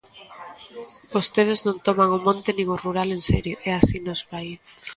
Vostedes non toman o monte nin o rural en serio, e así nos vai.